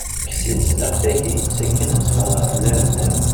Ekk seg tezniqt-agi ssakin af teffeɣḍ ɣer unnar n ddabex.